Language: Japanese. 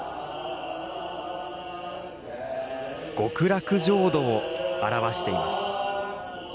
極楽浄土を表しています。